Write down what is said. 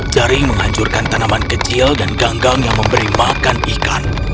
jaring menghancurkan tanaman kecil dan ganggang yang memberi makan ikan